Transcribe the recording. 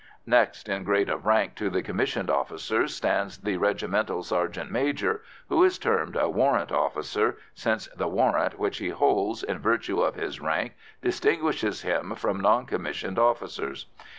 Next in grade of rank to the commissioned officers stands the regimental sergeant major, who is termed a warrant officer, since the "warrant" which he holds, in virtue of his rank, distinguishes him from non commissioned officers.